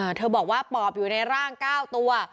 เธอบอกว่าปอบอยู่ในร่างเก้าตัว